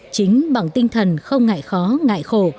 chính bằng tinh thần không ngại khó ngại khổ